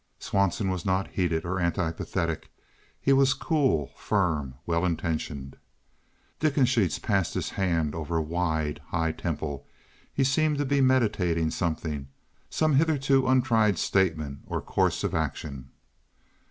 Swanson was not heated or antipathetic. He was cool, firm, well intentioned. Dickensheets passed his hand over a wide, high temple. He seemed to be meditating something—some hitherto untried statement or course of action.